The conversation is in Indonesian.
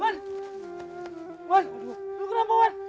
nuan lo kenapa nuan